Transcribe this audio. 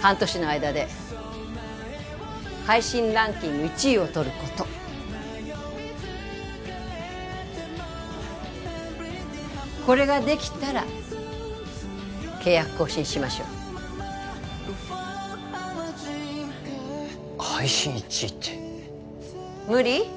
半年の間で配信ランキング１位をとることこれができたら契約更新しましょう配信１位って無理？